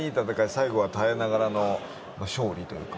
最後は耐えながらの勝利というか。